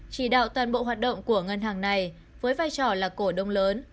chỉ đạo toàn bộ hoạt động của ngân hàng này với vai trò là cổ đông lớn